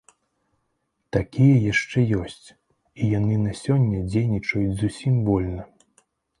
Такія яшчэ ёсць, і яны на сёння дзейнічаюць зусім вольна.